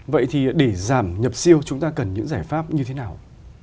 vậy thì để giảm nhập siêu chúng ta cần những giải pháp như thế nào